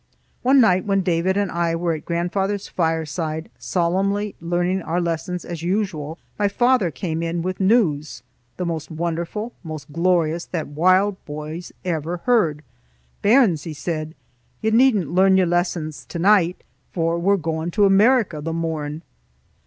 One night, when David and I were at grandfather's fireside solemnly learning our lessons as usual, my father came in with news, the most wonderful, most glorious, that wild boys ever heard. "Bairns," he said, "you needna learn your lessons the nicht, for we're gan to America the morn!"